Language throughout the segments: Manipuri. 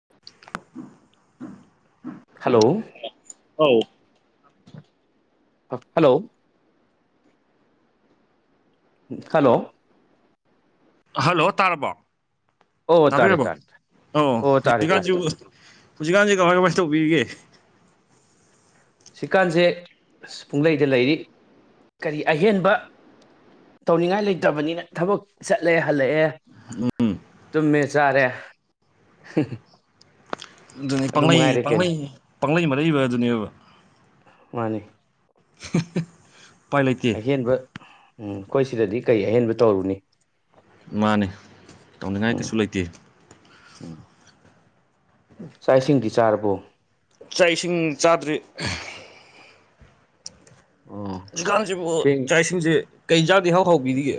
[unintelligible] ꯍꯜꯂꯣ ꯑꯧ ꯍꯜꯂꯣ ꯍꯜꯂꯣ ꯍꯜꯂꯣ ꯇꯥꯔꯕꯣ ꯑꯣ ꯇꯥꯔꯦ ꯇꯥꯕꯤꯔꯕꯣ ꯇꯥꯔꯦ ꯑ ꯑꯣ ꯇꯥꯔꯦ ꯍꯧꯖꯤꯛꯀꯥꯟ ꯇꯥꯔꯦ ꯍꯧꯖꯤꯛꯀꯥꯟꯁ ꯀꯃꯥꯏ ꯀꯃꯥꯏ ꯇꯧꯕꯔꯤꯒꯦ ꯁꯤꯀꯥꯟꯁꯦ ꯑ ꯄꯨꯡꯂꯩꯗ ꯂꯩꯔꯤ ꯀꯔꯤ ꯑꯍꯦꯟꯕ ꯇꯧꯅꯤꯡꯉꯥꯏ ꯂꯩꯇꯕꯅꯤꯅ ꯊꯕꯛ ꯆꯠꯂꯦ ꯍꯜꯂꯛꯑꯦ ꯎꯝ ꯇꯃꯦ ꯆꯥꯔꯦ ꯑꯗꯨꯅꯤ ꯑꯗꯨ ꯄꯥꯡꯂꯩ ꯃꯉꯥꯏꯔꯦ ꯀꯩꯅꯣ ꯄꯥꯡꯪꯂꯩ ꯄꯪꯂꯩ ꯃꯔꯩꯏꯕ ꯑꯗꯨꯅꯦꯕ ꯃꯥꯅꯦ [unintelligible] ꯑꯍꯦꯟꯕ ꯎꯝ ꯑꯩꯈꯣꯏ ꯁꯤꯗꯗꯤ ꯀꯩ ꯑꯍꯦꯟꯕ ꯇꯧꯔꯨꯅꯤ ꯏꯃꯥꯅꯦ ꯇꯧꯅꯤꯡꯉꯥꯏ ꯎꯝ ꯀꯩꯁꯨ ꯂꯩꯇꯦ ꯎꯝ ꯆꯥꯛ ꯏꯁꯤꯡ ꯆꯥꯔꯕꯣ ꯏꯥꯛ ꯏꯁꯤꯡ ꯆꯥꯗ꯭ꯔꯤ ꯑꯣ ꯍꯧꯖꯤꯛꯀꯥꯟꯁꯤꯕꯨ ꯊꯦꯡꯉꯦ ꯆꯥꯛ ꯏꯁꯤꯡꯁꯦ ꯀꯩ ꯆꯥꯛꯗꯤ ꯍꯥꯎ ꯍꯥꯎꯕꯤꯔꯤꯒꯦ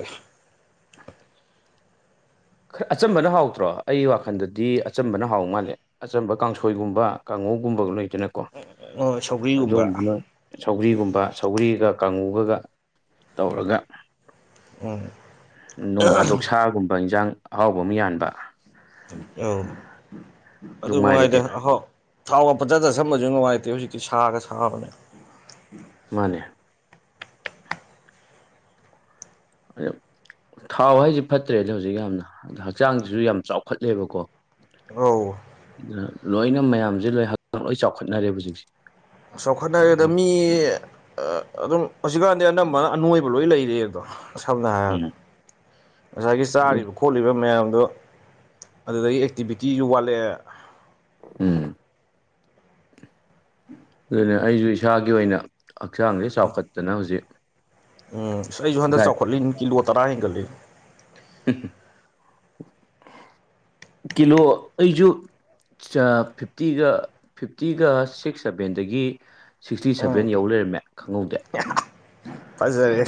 ꯈꯔ ꯑꯆꯝꯕꯅ ꯍꯥꯎꯇ꯭ꯔꯣ ꯑꯩ ꯋꯥꯈꯟꯗꯗꯤ ꯑꯆꯝꯕꯅ ꯍꯥꯎ ꯃꯥꯜꯂꯦ ꯑꯆꯝꯕ ꯀꯥꯡꯁꯣꯏꯒꯨꯝꯕ ꯀꯥꯡꯉꯨꯒꯨꯝꯕ ꯂꯩꯗꯅꯀꯣ ꯑꯣ ꯁꯧꯒ꯭ꯔꯤꯒꯨꯝꯕ ꯑꯗꯨꯒꯨꯝꯕꯅ ꯁꯧꯒ꯭ꯔꯤꯒꯨꯝꯕ ꯁꯧꯒ꯭ꯔꯤꯒ ꯀꯥꯡꯉꯨꯒꯒ ꯇꯧꯔꯒ ꯎꯝ ꯅꯣꯡ ꯐꯥꯗꯣꯛ ꯁꯥꯒꯨꯝꯕ ꯏꯟꯁꯥꯡ ꯑꯍꯥꯎꯕ ꯑꯃ ꯌꯥꯟꯕ ꯑꯧ ꯑꯗꯨ ꯉꯥꯏꯔꯦ ꯅꯨꯡꯉꯥꯏꯗꯦ ꯀꯩꯅꯣ ꯑꯍꯥꯎ ꯊꯥꯎꯒ ꯐꯖꯗ ꯁꯝꯕꯁꯨ ꯅꯨꯡꯉꯥꯏꯇꯦ ꯍꯧꯖꯤꯛꯇꯤ ꯁꯥꯔꯒ ꯁꯥꯕꯅꯦ ꯃꯥꯅꯦ ꯑꯝ ꯊꯥꯎ ꯍꯥꯏꯁꯤ ꯐꯠꯇ꯭ꯔꯦꯅꯦ ꯍꯧꯖꯤꯛ ꯌꯥꯝꯅ ꯑ ꯍꯛꯆꯥꯡꯁꯤꯁꯨ ꯌꯥꯝ ꯆꯥꯎꯈꯠꯂꯦꯕꯀꯣ ꯑ ꯑꯗꯨ ꯂꯣꯏꯅ ꯃꯌꯥꯝꯁꯦ ꯂꯣꯏ ꯍ ꯂꯣꯏ ꯆꯥꯎꯈꯠꯅꯔꯦꯕ ꯍꯧꯖꯤꯛꯁꯦ ꯆꯥꯎꯈꯠꯅꯔꯤꯦꯗ ꯑꯗꯨ ꯃꯤ ꯑꯗꯨꯝ ꯍꯧꯖꯤꯛꯀꯥꯟꯗꯤ ꯑꯅꯝꯕꯅ ꯑꯅꯣꯏꯕ ꯂꯣꯏ ꯂꯩꯔ ꯑꯗꯣ ꯁꯝꯅ ꯍꯥꯏꯔꯕꯒ ꯉꯁꯥꯏꯒꯤ ꯆꯥꯔꯤꯕ ꯈꯣꯠꯂꯤꯕ ꯃꯌꯥꯝꯗꯣ ꯑꯗꯨꯗꯒꯤ ꯑꯦꯛꯇꯤꯚꯤꯇꯤꯁꯨ ꯋꯥꯠꯂꯛꯑꯦ ꯎꯝ ꯑꯗꯨꯅ ꯑꯩꯁꯨ ꯏꯁꯥꯒꯤ ꯑꯣꯏꯅ ꯍꯛꯆꯥꯡꯁꯦ ꯆꯥꯎꯈꯠꯇꯅ ꯍꯧꯖꯤꯛ ꯎꯝ ꯑꯩꯁꯨ ꯍꯟꯗꯛ ꯗꯥꯏꯠ ꯆꯥꯎꯈꯠꯂꯤꯅꯤ ꯀꯤꯂꯣ ꯇꯔꯥ ꯍꯦꯟꯒꯠꯂꯤꯅꯤ ꯀꯤꯂꯣ ꯑꯩꯁꯨ ꯐꯤꯞꯇꯤꯒ ꯐꯤꯞꯇꯤꯒ ꯁꯤꯛꯁ ꯁꯚꯦꯟꯗꯒꯤ ꯁꯤꯛꯁꯇꯤ ꯎꯝ ꯁꯕꯦꯟ ꯌꯧ ꯂꯩꯔꯝꯃꯦ ꯈꯪꯍꯧꯗꯦ ꯐꯖꯔꯦ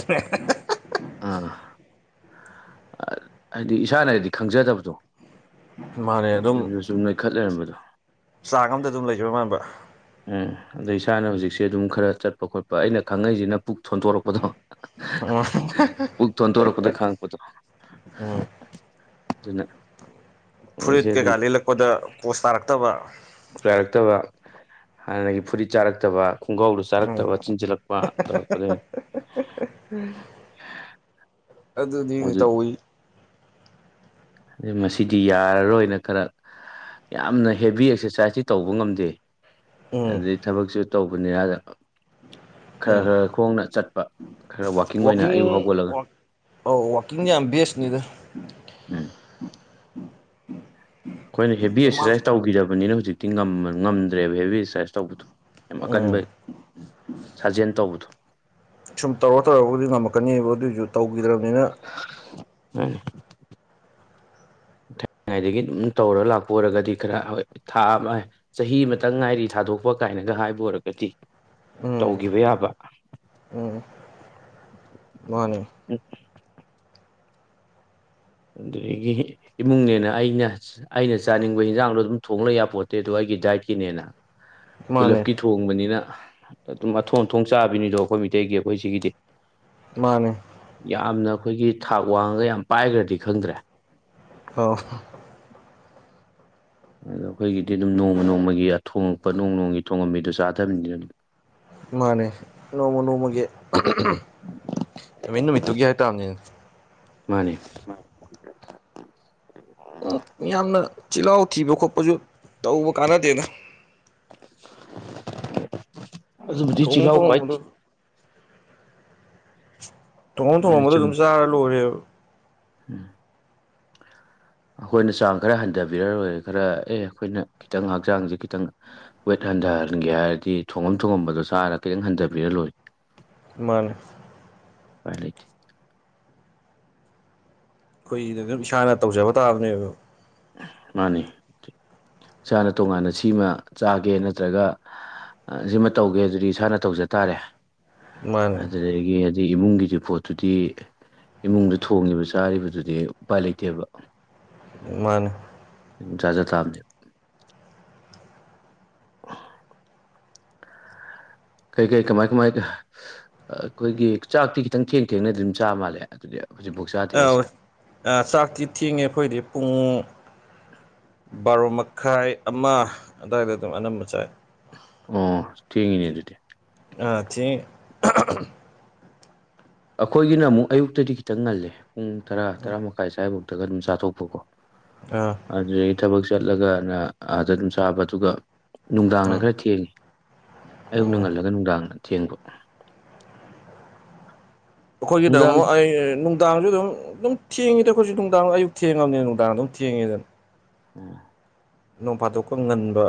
ꯎꯝ ꯍꯥꯏꯗꯤ ꯏꯁꯥꯅꯗꯤ ꯈꯪꯖꯗꯕꯗꯣ ꯃꯥꯅꯦ ꯑꯗꯨꯝ ꯑꯗꯨ ꯁꯨꯝ ꯅꯣꯏꯈꯠ ꯂꯩꯔꯝꯕꯗꯣ ꯆꯥꯡ ꯑꯝꯗ ꯑꯗꯨꯝ ꯂꯩꯖꯕ ꯃꯥꯟꯕ ꯎꯝ ꯑꯗ ꯏꯁꯥꯅ ꯍꯧꯖꯤꯛꯁꯦ ꯑꯗꯨꯝ ꯈꯔ ꯆꯠꯄ ꯈꯣꯠꯄ ꯑꯩꯅ ꯈꯪꯉꯛꯏꯁꯤꯅ ꯄꯨꯛ ꯊꯣꯟꯇꯣꯔꯛꯄꯗꯣ [unintelligible] ꯄꯨꯛ ꯊꯣꯟꯇꯣꯔꯛꯄꯗ ꯈꯥꯡꯉꯛꯄꯗꯣ ꯎꯝ ꯑꯗꯨꯅ ꯍꯧꯖꯤꯛꯁꯦ ꯐꯨꯔꯤꯠ ꯑꯗꯨꯝ ꯀꯩꯀꯥ ꯂꯤꯜꯂꯛꯄꯗ ꯄꯣꯁ ꯇꯥꯔꯛꯇꯕ ꯌꯥꯥꯏꯔꯛꯇꯕ ꯍꯥꯟꯅꯒꯤ ꯐꯨꯔꯤꯠ ꯆꯥꯔꯛꯇꯕ ꯈꯨꯡꯒꯧꯗꯨ ꯎꯝ ꯆꯥꯔꯛꯇꯕ ꯆꯤꯟꯁꯤꯜꯂꯛꯄ ꯇꯧꯔꯛꯄꯗꯒꯤ ꯑꯗꯨꯅꯤ ꯍꯧꯖꯤꯛ ꯇꯧꯋꯤ ꯃꯁꯤꯗꯤ ꯌꯥꯔꯔꯣꯏꯅ ꯈꯔ ꯌꯥꯝꯅ ꯍꯦꯚꯤ ꯑꯦꯛꯁꯔꯁꯥꯏꯁꯇꯤ ꯇꯧꯕ ꯉꯝꯗꯦ ꯎꯝ ꯑꯗꯩ ꯊꯕꯛꯁꯨ ꯇꯧꯕꯅꯤꯔꯗ ꯈꯔ ꯎꯝ ꯈꯔ ꯈꯣꯡꯅ ꯆꯠꯄ ꯈꯔ ꯋꯥꯛꯀꯤꯡ ꯑꯣꯏꯅ ꯑꯌꯨꯛ ꯍꯧꯒꯠꯂꯒ ꯑꯧ ꯋꯥꯛꯀꯤꯡ ꯌꯥꯝ ꯕꯦꯁꯅꯤꯗ ꯎꯝ ꯈꯣꯏꯅ ꯍꯦꯚꯤ ꯑꯦꯛꯁꯔꯁꯥꯏꯁ ꯇꯧꯈꯤꯗꯕꯅꯤꯅ ꯍꯧꯖꯤꯛꯇꯤ ꯉꯝꯗ꯭ꯔꯦꯕ ꯍꯦꯚꯤ ꯑꯦꯛꯁꯔꯁꯥꯏꯁ ꯇꯧꯕꯗꯣ ꯌꯥꯝ ꯎꯝ ꯑꯀꯟꯕ ꯁꯥꯖꯦꯟ ꯇꯧꯕꯗꯣ ꯁꯨꯝ ꯇꯧꯔ ꯇꯧꯔꯒꯕꯨꯗꯤ ꯉꯝꯃꯛꯀꯅꯦꯕ ꯑꯗꯨꯑꯣꯏꯁꯨ ꯇꯧꯈꯤꯗ꯭ꯔꯕꯅꯤꯅ [unintelligible] ꯊꯥꯏꯉꯥꯏꯗꯒꯤ ꯑꯗꯨꯝ ꯇꯧꯔꯒ ꯂꯥꯛꯄ ꯑꯣꯏꯔꯒꯗꯤ ꯈꯔ ꯍꯣꯏ ꯊꯥꯕ ꯆꯍꯤ ꯑꯃꯇꯪ ꯉꯥꯏꯔꯤ ꯊꯥꯗꯣꯛꯄ ꯀꯥꯏꯅꯒ ꯍꯥꯏꯕ ꯑꯣꯏꯔꯒꯗꯤ ꯎꯝ ꯇꯧꯈꯤꯕ ꯌꯥꯕ ꯎꯝ ꯃꯥꯅꯤ [unintelligible] ꯑꯗꯨꯗꯒꯤ ꯏꯃꯨꯡꯅꯦꯅ ꯑꯩꯅ ꯑꯩꯅ ꯆꯥꯅꯤꯡꯕ ꯌꯦꯟꯁꯥꯡꯗꯣ ꯑꯗꯨꯝ ꯊꯣꯡꯅ ꯌꯥꯕꯄꯣꯠꯇꯦ ꯑꯗꯣ ꯑꯩꯒꯤ ꯗꯥꯏꯠꯀꯤꯅꯦꯅ ꯃꯥꯅꯦ ꯄꯨꯂꯞꯀꯤ ꯊꯣꯡꯕꯅꯤꯅ ꯑꯗꯨꯝ ꯑꯊꯣꯡ ꯑꯊꯣꯡ ꯆꯥꯕꯅꯤꯗꯣ ꯑꯩꯈꯣꯏ ꯃꯤꯇꯩꯒꯤ ꯑꯩꯈꯣꯏ ꯁꯤꯒꯤꯗꯤ ꯃꯥꯅꯦ ꯌꯥꯝꯅ ꯑꯩꯈꯣꯏꯒꯤ ꯊꯥꯛ ꯋꯥꯡꯉꯒ ꯌꯥꯝ ꯄꯥꯏꯒ꯭ꯔꯗꯤ ꯈꯪꯗ꯭ꯔꯦ [unintelligible] ꯑꯗꯣ ꯑꯩꯈꯣꯏꯒꯤꯗꯤ ꯑꯗꯨꯝ ꯅꯣꯡꯃ ꯅꯣꯡꯃꯒꯤ ꯊꯣꯉꯛꯄ ꯅꯣꯡ ꯅꯣꯡꯃꯒꯤ ꯊꯣꯉꯝꯃꯤꯗꯣ ꯆꯥꯊꯕꯅꯤꯅ ꯑꯗꯨꯝ ꯃꯥꯅꯦ ꯅꯣꯡꯃ ꯅꯣꯡꯃꯒꯤ ꯅꯨꯃꯤꯠ ꯅꯨꯃꯤꯠꯇꯨꯒꯤ ꯍꯥꯏꯇꯕꯅꯤꯅ ꯃꯥꯅꯦ ꯎ ꯌꯥꯝꯅ ꯆꯤꯜꯍꯥꯎ ꯊꯤꯕ ꯈꯣꯠꯄꯁꯨ ꯇꯧꯕ ꯀꯥꯟꯅꯗꯦꯅ ꯑꯗꯨ ꯊꯣꯡꯉ ꯆꯤꯍꯥꯎ ꯀꯥꯏ ꯊꯣꯡꯉꯝꯕꯗꯣ ꯊꯣꯡꯉꯝ ꯃꯥꯅꯦ ꯊꯣꯡꯉꯝꯕꯗꯣ ꯑꯗꯨꯝ ꯆꯨꯝꯃꯤ ꯆꯥꯔ ꯂꯣꯏꯔꯦꯕ [unintelligible] ꯑꯩꯈꯣꯏꯅ ꯆꯥꯡ ꯈꯔ ꯍꯟꯊꯕꯤꯔ ꯂꯣꯏꯔꯦ ꯈꯔ ꯑꯦ ꯑꯩꯈꯣꯏꯅ ꯈꯤꯇꯪ ꯍꯛꯆꯥꯡꯁꯦ ꯈꯤꯇꯪ ꯋꯦꯠ ꯍꯟꯊꯍꯟꯒꯦ ꯍꯥꯏꯔꯗꯤ ꯊꯣꯉꯝ ꯊꯣꯡꯉꯝꯕꯗꯣ ꯆꯥꯔꯒ ꯈꯤꯇꯪ ꯍꯟꯊꯕꯤꯔ ꯂꯣꯏꯔ ꯃꯥꯅꯦ [unintelligible] ꯂꯩꯇꯦ [unintelligible] ꯑꯗꯨꯝ ꯏꯁꯥꯅ ꯇꯧꯖꯕ ꯇꯥꯕꯅꯦꯕ ꯃꯥꯅꯤ ꯏꯁꯥꯅ ꯇꯣꯉꯥꯟꯅ ꯁꯤꯃ ꯆꯥꯒꯦ ꯅꯠꯇ꯭ꯔꯒ ꯁꯤꯃ ꯇꯧꯒꯦ ꯑꯗꯨꯗꯤ ꯏꯁꯥꯅ ꯇꯧꯖ ꯇꯥꯔꯦ ꯃꯥꯅꯦ ꯑꯗꯨꯗꯒꯤ ꯑꯗꯤ ꯏꯃꯨꯡꯒꯤꯗꯤ ꯄꯣꯠꯇꯨꯗꯤ ꯏꯃꯨꯡꯗ ꯊꯣꯡꯉꯤꯕ ꯆꯥꯔꯤꯕꯗꯨꯗꯤ ꯎꯄꯥꯏ ꯂꯩꯇꯦꯕ ꯃꯥꯅꯦ ꯆꯖꯥ ꯇꯕꯅꯦ ꯍ ꯀꯩ ꯀꯩ ꯀꯃꯥꯏ ꯀꯃꯥꯏ ꯑꯩꯈꯣꯏꯒꯤ ꯆꯥꯛꯇꯤ ꯈꯤꯇꯪ ꯊꯦꯡ ꯊꯦꯡꯅ ꯑꯗꯨꯝ ꯆꯥ ꯃꯥꯜꯂꯦ ꯑꯗꯨꯗꯤ ꯍꯧꯖꯤꯛ ꯚꯣꯛꯁꯥꯗꯦ ꯑ ꯍꯥꯏꯁꯦ ꯆꯥꯛꯇꯤ ꯊꯦꯡꯉꯦ ꯑꯩꯈꯣꯏꯗꯤ ꯄꯨꯡ ꯕꯥꯔꯣ ꯃꯈꯥꯏ ꯑꯃ ꯑꯗꯨꯋꯥꯏꯗ ꯑꯗꯨꯝ ꯑꯅꯝꯕ ꯆꯥꯏ ꯑꯣ ꯊꯦꯡꯉꯤꯅꯦ ꯑꯗꯨꯗꯤ ꯊ ꯑꯩꯈꯣꯏꯒꯤꯅ ꯑꯃꯨꯛ ꯑꯌꯨꯛꯇꯗꯤ ꯈꯤꯇꯪ ꯉꯜꯂꯦ ꯄꯨꯡ ꯇꯔꯥ ꯇꯔꯥ ꯃꯈꯥꯏ ꯁ꯭ꯋꯥꯏꯐꯥꯎꯗꯒ ꯑꯗꯨꯝ ꯆꯥꯊꯣꯛꯄꯀꯣ ꯑꯥ ꯑꯗꯨꯗꯒꯤ ꯊꯕꯛ ꯆꯠꯂꯒꯅ ꯑꯥꯗ ꯑꯗꯨꯝ ꯆꯥꯕ ꯑꯗꯨꯒ ꯅꯨꯡꯗꯥꯡꯅ ꯑꯥ ꯈꯔ ꯊꯦꯡꯉꯤ ꯑꯌꯨꯛ ꯅ ꯑꯣ ꯉꯜꯂꯒ ꯅꯨꯡꯗꯥꯡꯅ ꯊꯦꯡꯕ ꯑꯩꯈꯣꯏꯒꯤꯗ ꯅꯨꯡꯗꯥꯡ ꯑꯃꯨꯛ ꯑꯩ ꯅꯨꯡꯗꯥꯡꯁꯨ ꯑꯗꯨꯝ ꯑꯗꯨꯝ ꯊꯦꯡꯉꯤꯗ ꯑꯩꯈꯣꯏꯁꯨ ꯅꯨꯡꯗꯥꯡ ꯑꯌꯨꯛ ꯊ‌‌ꯦꯡꯉꯅꯤꯅ ꯅꯨꯡꯗꯥꯡ ꯑꯗꯨꯝ ꯊꯦꯡꯉꯤꯗꯅ ꯎꯝ ꯅꯣꯡ ꯐꯥꯇꯣꯛꯄ ꯉꯟꯕ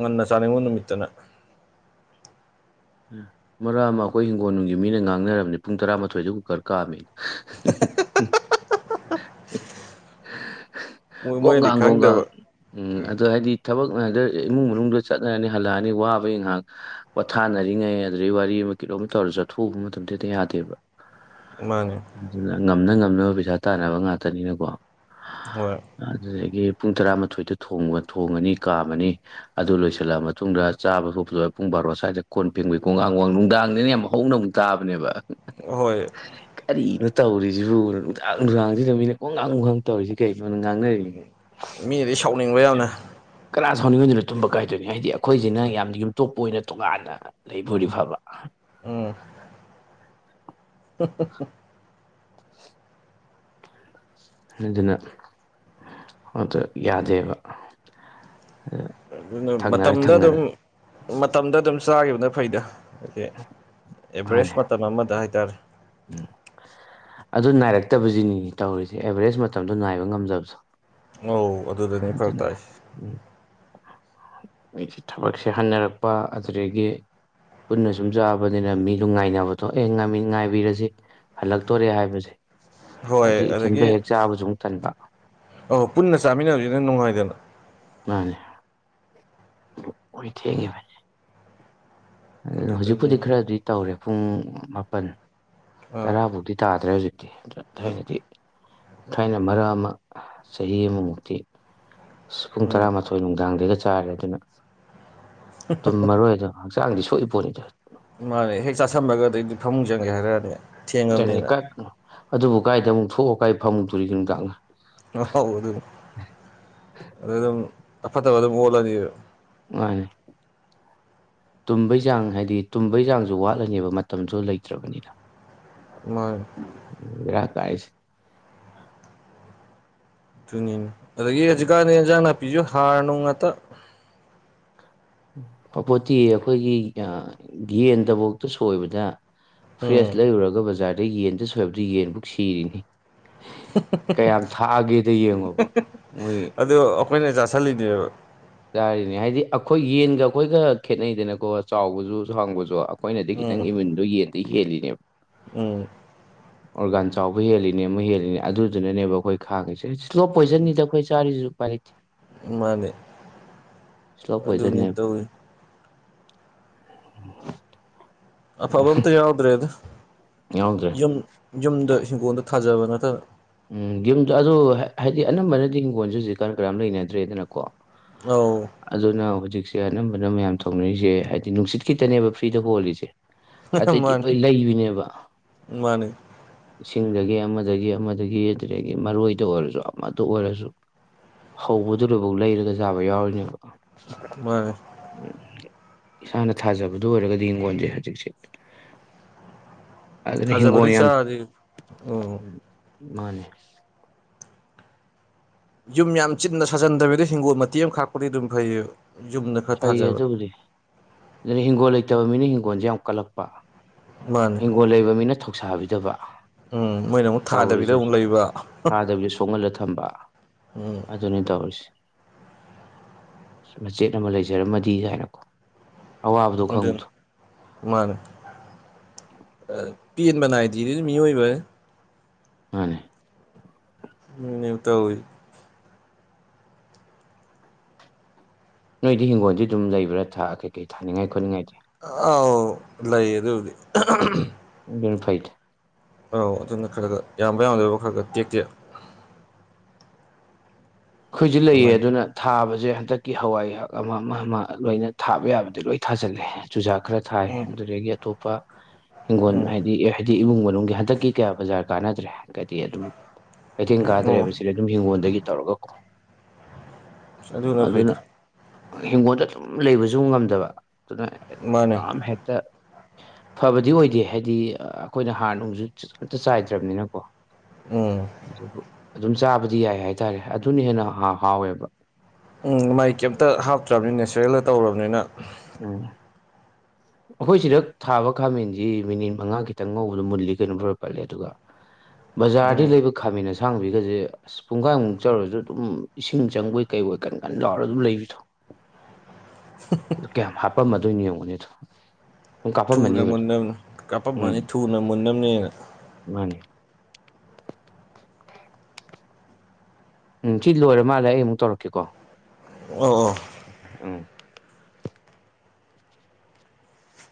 ꯉꯟꯅ ꯆꯥꯅꯤꯡꯕ ꯅꯨꯃꯤꯠꯇꯅ ꯃꯔꯥꯛ ꯑꯃ ꯑꯩꯈꯣꯏ ꯍꯤꯡꯒꯣꯜ ꯅꯨꯡꯒꯤ ꯃꯤꯅ ꯉꯥꯡꯅꯔꯕꯅꯤ ꯄꯨꯡ ꯇꯔꯥꯃꯊꯣꯏꯗ ꯀꯨꯀꯔ ꯀꯥꯝꯃꯦ ꯎ ꯃꯣꯏ [unintelligible] ꯃꯣꯏꯅꯗꯤ ꯒꯣꯡꯒꯥꯡ ꯒꯣꯡꯒꯥꯡ ꯈꯪꯗꯕ ꯎꯝ ꯑꯗꯨ ꯍꯥꯏꯗꯤ ꯊꯕꯛ ꯃꯌꯥꯝꯁꯤꯅ ꯏꯃꯨꯡ ꯃꯅꯨꯡꯗ ꯆꯠꯅꯔꯅꯤ ꯍꯜꯂꯛꯑꯅꯤ ꯋꯥꯕꯒꯤ ꯉꯥꯏꯍꯥꯛ ꯄꯣꯊꯥꯅꯔ ꯍꯥꯏꯅꯤꯡꯉꯩꯦ ꯡꯑꯗꯨꯗꯗꯒꯤ ꯋꯥꯔꯤ ꯑꯃ ꯀꯤꯂꯣꯝ ꯇꯧꯔꯒ ꯆꯠꯊꯣꯛꯎꯕ ꯃꯇꯝꯗꯗꯤꯦꯇ ꯌꯥꯗꯦꯕ ꯃꯥꯅꯦ ꯑꯗꯨꯅ ꯉꯝꯅ ꯉꯝꯅꯕ ꯄꯩꯁꯥ ꯇꯥꯟꯅꯕ ꯉꯥꯛꯇꯅꯤꯅꯀꯣ ꯍꯣꯏ ꯑꯗꯨꯗꯒꯤ ꯄꯨꯡ ꯇꯔꯥꯃꯥꯊꯣꯏꯗ ꯊꯣꯡꯉꯅꯤ ꯀꯥꯝꯃꯅꯤ ꯑꯗꯨ ꯂꯣꯏꯁꯤꯜꯂꯛꯑ ꯃꯇꯨꯡꯗ ꯆꯥꯕ ꯊꯛꯄ ꯄꯨꯡ ꯕꯥꯔꯣ ꯁ꯭ꯋꯥꯏꯗ ꯀꯣꯟ ꯐꯦꯡꯕꯩꯀꯣꯡꯒꯥꯡ ꯋꯥꯥꯡ ꯅꯨꯡꯗꯥꯡꯗꯅ ꯌꯥꯝ ꯍꯧꯅ ꯑꯃꯨꯛ ꯇꯥꯕꯅꯦꯕ ꯍꯣꯏ ꯀꯔꯤꯅꯣ ꯇꯧꯔꯤꯁꯤꯕꯨ ꯅꯨꯡꯗꯥꯡ ꯅꯨꯡꯗꯥꯡꯁꯤꯅ ꯃꯤꯅ ꯀꯣꯡ ꯉꯥꯡꯕ ꯈꯥꯡ ꯇꯧꯔꯤꯁꯤ ꯀꯔꯤꯒꯤꯅ‌ꯣ ꯉꯥꯡꯅꯔꯤꯅꯤ ꯃꯤꯅꯗꯤ ꯁꯥꯎꯅꯤꯡꯕ ꯌꯥꯝꯅ ꯀꯅꯥ ꯁꯥꯎꯅꯤꯡꯉ‌ꯣꯏꯗꯩꯅ‌ꯣ ꯇꯨꯝꯕ ꯀꯥꯏꯗꯣꯏꯅꯤ ꯍꯥꯏꯗꯤ ꯑꯩꯈꯣꯏꯁꯤꯅ ꯌꯥꯝꯅ ꯌꯨꯝꯊꯣꯛꯄ ꯑꯣꯏꯅ ꯇꯣꯉꯥꯟꯅ ꯂꯩꯕ ꯑ‌ꯣꯏꯗꯤ ꯐꯕ ꯎꯝ ꯎ ꯎ [unintelligible] ꯗꯨꯅ ꯑꯗ ꯌꯥꯗꯦꯕ ꯑ ꯑꯗꯨꯅ ꯃꯇꯝꯗ ꯑꯗꯨꯝ ꯃꯇꯝꯗ ꯑꯗꯨꯝ ꯆꯥꯒꯤꯕꯅ ꯐꯩꯗ ꯍꯥꯏꯗꯤ ꯃꯥꯅꯦ ꯑꯦꯚꯔꯦꯁ ꯃꯇꯝ ꯑꯃꯗ ꯍꯥꯏꯇꯥꯔꯦ ꯎꯝ ꯑꯗꯨ ꯅꯥꯏꯔꯛꯇꯕꯁꯤꯅꯤ ꯇꯧꯔꯤꯁꯦ ꯑꯦꯕꯔꯦꯁ ꯃꯇꯝꯗꯣ ꯅꯥꯏꯕ ꯉꯝꯖꯕꯗꯣ ꯑꯧ ꯑꯗꯨꯗꯅꯤ ꯐꯔꯛ ꯇꯥꯏꯁꯦ ꯎ ꯑꯩ ꯊꯕꯛꯁꯦ ꯍꯟꯅꯔꯛꯄ ꯑꯗꯨꯗꯒꯤ ꯄꯨꯟꯅ ꯁꯨꯝ ꯆꯥꯕꯅꯤꯅ ꯃꯤꯗꯨ ꯉꯥꯏꯅꯕꯗꯣ ꯑꯦ ꯉꯥꯏ ꯉꯥꯏꯕꯤꯔꯁꯤ ꯍꯜꯂꯛꯇꯣꯔꯦ ꯍꯥꯏꯕꯁꯦ ꯍꯣꯏ ꯑꯗꯨ ꯏꯊꯟꯗ ꯍꯦꯛ ꯆꯥꯕꯁꯨ ꯑꯃꯨꯛ ꯊꯟꯕ ꯑꯍꯣꯏ ꯄꯨꯟꯅ ꯆꯥꯃꯤꯟꯅꯁꯤꯅ ꯅꯨꯡꯉꯥꯏꯗꯅ ꯃꯥꯅꯦ ꯍ‌ꯣꯏ ꯊ‌ꯦꯡꯉ‌ꯦ ꯕꯥꯏ ꯑꯗꯨꯅ ꯍꯧꯖꯤꯛꯄꯨꯗꯤ ꯑꯗꯨꯗꯒꯤꯅꯤ ꯈꯔꯗꯤ ꯇꯧꯔꯦ ꯄꯨꯡ ꯃꯥꯄꯜ ꯑꯥ ꯇꯔꯥꯕꯨꯗꯤ ꯇꯥꯗ꯭ꯔꯦ ꯍꯧꯖꯤꯛꯇꯤ ꯊꯥꯏꯅꯗꯤ ꯊꯥꯏꯅ ꯃꯔꯛ ꯑꯃ ꯆꯍꯤ ꯑꯃꯃꯨꯛꯇꯤ ꯑꯁ ꯄꯨꯡ ꯎꯝ ꯇꯔꯥꯃꯥꯊꯣꯏ ꯅꯨꯡꯗꯥꯡꯗꯒ ꯆꯥꯔ ꯑꯗꯨꯅ ꯇꯨꯝꯃꯔꯣꯏꯗꯣ ꯍꯛꯆꯥꯡꯗꯤ ꯁꯣꯛꯏꯄ‌‌ꯣꯠꯅꯤꯗ ꯃꯥꯅꯦ ꯍꯦꯛ ꯆꯥꯥꯁꯟꯕꯗ ꯑꯩꯗꯤ ꯐꯃꯨꯡ ꯆꯪꯒꯦ ꯍꯥꯏꯔꯛꯑꯅꯤ ꯅꯤ ꯊꯦꯡꯉꯕꯅꯤꯅ ꯀ ꯑꯗꯨꯕꯨ ꯀꯥꯏꯗ ꯑꯃꯨꯛ ꯊꯣꯛꯑ ꯀꯥꯏ ꯐꯝꯃꯨꯗꯣꯔꯤꯒꯦ ꯅꯨꯡꯇꯥꯛꯅ ꯑꯥꯎ ꯑꯗꯨ ꯑꯗꯨꯝ ꯑꯗꯨ ꯑꯗꯨꯝ ꯑꯐꯠꯇꯕ ꯑꯗꯨꯝ ꯑꯣꯠꯂꯅꯤ ꯃꯥꯅꯦ ꯇꯨꯝꯕꯩ ꯆꯥꯡ ꯍꯥꯏꯗꯤ ꯇꯨꯝꯕꯩ ꯆꯥꯡꯁꯨ ꯋꯥꯠꯂꯅꯦꯕ ꯃꯇꯝꯁꯨ ꯂꯩꯇ꯭ꯔꯕꯅꯤꯅ ꯃꯣꯏ ꯕ‌ꯦꯔꯥ ꯀꯥꯏꯁꯤ ꯇꯨꯅꯦꯅꯦ ꯑꯗꯒꯤ ꯍꯧꯖꯤꯛꯀꯥꯟꯗꯤ ꯏꯟꯖꯥꯡ ꯅꯥꯄꯤꯁꯨ ꯍꯥꯔ ꯅꯨꯡ ꯉꯥꯛꯇ ꯐꯄꯣꯠꯇꯤꯌ‌ꯦ ꯑꯩꯈꯣꯏꯒꯤ ꯌ‌ꯦꯟꯗꯕꯧꯇ ꯁꯣꯏꯕꯗ ꯐ꯭ꯔꯦꯁ ꯎꯝ ꯂꯩꯔꯨꯔꯒ ꯕꯖꯥꯔꯗ ꯌꯦꯟꯗ ꯁꯣꯏꯕꯗꯨ ꯌꯦꯟꯕꯨꯛ ꯁꯤꯔꯤꯅꯤ [unintelligible] ꯀꯌꯥꯝ ꯊꯥꯛꯑꯒꯦꯗ ꯌꯦꯡꯉꯣꯕ ꯃꯣꯏ [unintelligible] ꯑꯗꯨ ꯑꯩꯈꯣꯏꯅ ꯆꯁꯤꯜꯂꯤꯅꯦꯕ ꯌꯥꯔꯤꯅꯦ ꯍꯥꯏꯗꯤ ꯑꯩꯈꯣꯏ ꯌꯦꯟꯒ ꯑꯩꯈꯣꯏꯒ ꯈꯦꯠꯅꯩꯗꯅꯀꯣ ꯆꯥꯎꯕꯁꯨ ꯁꯥꯡꯕꯁꯨ ꯑꯩꯈꯣꯏꯅꯗꯤ ꯈꯤꯇꯪ ꯎꯝ ꯏꯃ꯭ꯌꯨꯟꯗꯨꯣ ꯌꯦꯟꯗꯩ ꯍꯦꯜꯂꯤꯅꯦꯕ ꯎꯝ ꯑꯣꯔꯒꯥꯟ ꯆꯥꯎꯕ ꯍꯦꯜꯂꯤꯅꯦ ꯑꯃ ꯍꯦꯜꯂꯤꯅꯦ ꯑꯗꯨꯗꯨꯅꯅꯦꯕ ꯑꯩꯈꯣꯏ ꯈꯥꯡꯉꯤꯁꯦ [unintelligible] ꯄꯣꯏꯖꯟꯅꯤꯗ ꯑꯩꯈꯣꯏ ꯆꯥꯔꯤꯁꯨ ꯎꯄꯥꯏ ꯃꯥꯅꯦ ꯁ꯭ꯂꯣ ꯑꯗꯨꯅꯤ ꯄꯣꯏꯖꯟꯅꯦꯕ ꯇꯧꯔꯤ ꯑꯐꯕ ꯑꯝꯇ ꯌꯥꯎꯗ꯭ꯔꯦꯗ ꯌꯥꯎꯗ꯭ꯔꯦ ꯌꯨꯝ ꯌꯨꯝꯗ ꯍꯤꯡꯒꯣꯜꯗ ꯊꯥꯖꯕ ꯅꯠꯇꯕ ꯎꯝ ꯌꯨꯝꯗ ꯑꯗꯨꯗ ꯍꯥꯏꯗꯤ ꯑꯅꯝꯕꯅꯗꯤ ꯍꯤꯡꯒꯣꯟꯜꯁꯨ ꯍꯧꯖꯤꯛ ꯀꯥꯟ ꯀꯅꯥꯝ ꯂꯩꯅꯗ꯭ꯔꯦꯗꯅꯀꯣ ꯑꯧ ꯑꯗꯨꯅ ꯍꯧꯖꯤꯛꯁꯦ ꯑꯅꯝꯕꯅ ꯃꯌꯥꯝ ꯊꯧꯅꯔꯤꯁꯦ ꯍꯥꯏꯗꯤ ꯅꯨꯡꯁꯤꯠ ꯈꯤꯇꯅꯦꯕ ꯐ꯭ꯔꯤꯗ ꯍꯣꯜꯂꯤꯁꯦ [unintelligible] ꯑꯇꯩꯗꯤ ꯂꯣꯏ ꯃꯥꯅꯤ ꯂꯩꯕꯤꯅꯦꯕ ꯃꯥꯅꯤ ꯏꯁꯤꯡꯗꯒꯤ ꯑꯃꯗꯒꯤ ꯑꯃꯗꯒꯤ ꯑꯗꯨꯗꯒꯤ ꯃꯔꯣꯏꯗ ꯑꯣꯏꯔꯁꯨ ꯑꯃꯗ ꯑꯣꯏꯔꯁꯨ ꯍꯧꯕꯗꯩ ꯂꯣꯏꯐꯥꯎ ꯂꯩꯔꯒ ꯆꯥꯕ ꯌꯥꯎꯔꯤꯅꯦꯕ ꯃꯥꯅꯤ ꯎꯝ ꯏꯁꯥꯅ ꯊꯥꯖꯕꯗꯨ ꯑꯣꯏꯔꯒꯗꯤ ꯍꯡꯒꯣꯟꯁꯦ ꯍꯧꯖꯤꯛꯁꯦ ꯑꯗꯨꯅ ꯍꯤꯡꯒꯣꯜ ꯊꯥꯖꯕꯗꯩ ꯌꯥꯝ ꯆꯥꯔꯗꯤ ꯎꯝ ꯃꯥꯅꯦ ꯌꯨꯝ ꯌꯥꯝ ꯆꯤꯟꯅ ꯁꯥꯖꯟꯗ꯭ꯔꯕꯤꯗ ꯍꯤꯡꯒꯣꯜ ꯃꯇꯦꯛ ꯑꯃꯈꯥꯛꯄꯗꯤ ꯑꯗꯨꯝ ꯐꯩꯌꯦ ꯌꯨꯝꯗ ꯈꯔ ꯐꯩꯌꯦ ꯊꯥꯖꯕ ꯑꯗꯨꯕꯨꯗꯤ ꯑꯗꯨꯅꯦ ꯍꯤꯡꯒꯣꯜ ꯂꯩꯇꯕ ꯃꯤꯅ ꯍꯤꯡꯒꯣꯜꯁꯦ ꯌꯥꯝ ꯀꯜꯂꯛꯄ ꯃꯥꯅꯤ ꯍꯤꯡꯒꯣꯜ ꯂꯩꯕ ꯃꯤꯅ ꯊꯧꯁꯥꯕꯤꯗꯕ ꯎꯝ ꯃꯣꯏꯅ ꯑꯃꯨꯛ ꯊꯥꯗꯕꯤꯗ ꯇꯧꯔꯤꯁꯦ ꯑꯃꯨꯛ ꯂꯩꯕ ꯊꯥꯗꯕꯤꯗ ꯎꯝ ꯑꯗꯨꯅꯦ ꯇꯧꯔꯤꯁꯦ ꯑ ꯃꯆꯦꯠ ꯑꯃ ꯂꯩꯖꯔꯝꯃꯗꯤ ꯀꯥꯏꯅꯀꯣ ꯑꯋꯥꯕꯗꯣ ꯑꯗꯨꯅꯤ ꯈꯪꯕꯗꯣ ꯃꯥꯥꯟꯅꯦ ꯄꯦꯟꯕ ꯅꯥꯏꯗꯦꯅꯦ ꯃꯤꯑꯣꯏꯕ ꯍꯥꯏꯁꯦ ꯃꯥꯅꯦ ꯑꯗꯨꯅ‌ꯦꯕ ꯇꯧꯏ ꯅꯣꯏꯗꯤ ꯍꯤꯡꯒꯣꯜꯗꯤ ꯑꯗꯨꯝ ꯂꯩꯕ꯭ꯔꯥ ꯊ ꯀꯩꯀꯩ ꯊꯥꯅꯤꯡꯉꯥꯏ ꯈꯣꯠꯅꯤꯡꯉꯥꯏꯗꯤ ꯑꯥꯎ ꯂꯩ ꯑꯗꯨꯕꯨꯗꯤ [unintelligible] ꯑꯗꯨꯅ ꯐꯩꯗ ꯑꯧ ꯑꯗꯨꯅ ꯈꯔ ꯈꯔ ꯌꯥꯝꯕ ꯌꯥꯝꯗꯕ ꯈꯔ ꯈꯔ ꯇꯦꯛ ꯇꯦꯛ ꯑꯩꯈꯣꯏꯁꯨ ꯂꯩꯌꯦ ꯑꯗꯨꯃꯥꯏꯅ ꯑꯗꯨꯅ ꯊꯥꯕꯁꯦ ꯍꯟꯗꯛꯀꯤ ꯍꯋꯥꯏ ꯑꯃ ꯑꯃ ꯑꯃ ꯂꯣꯏꯅ ꯊꯥꯕ ꯌꯥꯕꯗꯤ ꯂꯣꯏ ꯊꯥꯖꯜꯂꯦ ꯆꯨꯖꯥꯛ ꯈꯔ ꯊꯥꯏ ꯎꯝ ꯑꯗꯨꯗꯒꯤ ꯑꯇꯣꯞꯄ ꯍꯤꯡꯒꯣꯜ ꯎꯝ ꯍꯥꯏꯗꯤ ꯑꯦ ꯍꯥꯏꯗꯤ ꯏꯃꯨꯡ ꯃꯅꯨꯡꯒꯤ ꯍꯟꯗꯛꯀꯤ ꯀꯌꯥ ꯕꯖꯥꯔ ꯀꯥꯟꯅꯗ꯭ꯔꯦ ꯍꯥꯏꯗꯤ ꯑꯗꯨꯝ ꯀꯩꯊꯦꯜ ꯀꯥꯗ꯭ꯔꯦ ꯑꯣ ꯁꯤꯗ ꯑꯗꯨꯝ ꯍꯤꯡꯒꯣꯜꯗꯒꯤ ꯇꯧꯔꯒ ꯑꯗꯨꯅ ꯍꯤꯡꯒꯣꯜꯗ ꯑꯗꯨꯝ ꯂꯩꯕꯁꯨ ꯉꯝꯗꯕ ꯑꯗꯨꯅ ꯃꯥꯅꯦ ꯌꯥꯝ ꯍꯦꯛꯇ ꯐꯕꯗꯤ ꯑꯣꯏꯗꯦ ꯍꯥꯏꯗꯤ ꯑꯩꯈꯣꯏꯅ ꯍꯥꯔ ꯅꯨꯡꯁꯨ ꯑꯃꯇ ꯆꯥꯏꯗ꯭ꯔꯕꯅꯤꯅꯀꯣ ꯎꯝ ꯑꯗꯨꯕꯨ ꯑꯗꯨꯝ ꯆꯥꯕꯗꯤ ꯌꯥꯏ ꯍꯥꯏꯇꯥꯔꯦ ꯑꯗꯨꯅ ꯍꯦꯟꯅ ꯍꯥꯎ ꯍꯥꯎꯋꯦꯕ ꯎꯝ ꯃꯥꯏ ꯀꯩꯝꯇ ꯍꯥꯞꯇ꯭ꯔꯕꯅꯤꯅ ꯅꯦꯆꯔꯦꯜꯗ ꯇꯧꯔꯕꯅꯤꯅ ꯎ‌ꯝ ꯑꯩꯈꯣꯏ ꯁꯤꯗ ꯊꯥꯕ ꯈꯥꯃꯦꯟꯁꯤ ꯃꯤꯅꯤꯠ ꯃꯉꯥ ꯈꯤꯇꯪ ꯉꯧꯕꯗꯣ ꯃꯨꯜꯂꯤ ꯀꯩꯅꯣ ꯕꯔ ꯄꯠꯂꯦ ꯑꯗꯨꯒ ꯎꯝ ꯕꯖꯥꯔꯗꯩ ꯂꯩꯕ ꯈꯥꯃꯦꯟ ꯑꯁꯥꯡꯕꯤꯒꯁꯦ ꯑꯁ ꯄꯨꯡꯈꯥꯏꯃꯨꯛ ꯆꯧꯔꯁꯨ ꯑꯗꯨꯝ ꯏꯁꯤꯡ ꯆꯪꯕꯩ ꯀꯩꯕꯣꯏ ꯀꯟ ꯀꯟ ꯂꯥꯎꯔꯒ ꯑꯗꯨꯝ ꯂꯩꯕꯤꯗꯣ [unintelligible] ꯀꯌꯥꯝ ꯍꯥꯞꯄꯝꯃꯗꯣꯏꯅꯣ ꯌꯦꯡꯉꯨꯅꯦ ꯑꯗꯣ ꯑꯗꯨꯝ ꯊꯨꯅ ꯀꯥꯞꯄꯝꯃꯅꯤꯕ ꯃꯨꯟꯅꯕꯅꯤ ꯀꯥꯞꯄꯝꯃꯅꯤ ꯊꯨꯅ ꯃꯨꯟꯅꯕꯅꯦꯅ ꯃꯥꯅꯤ ꯎꯝ ꯁꯤ ꯂꯣꯏꯔ ꯃꯥꯜꯂꯦ ꯑꯩ ꯑꯃꯨꯛ ꯇꯧꯔꯛꯀꯦꯀꯣ ꯑꯣ ꯑꯣ ꯎꯝ ꯎꯝ